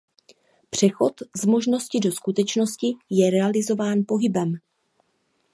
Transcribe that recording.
Přechod z možnosti do skutečnosti je realizován pohybem.